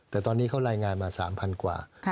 แต่ตอนนี้เขารายงานมา๓๐๐กว่า